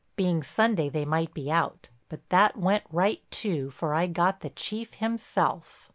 Being Sunday they might be out, but that went right too, for I got the Chief himself.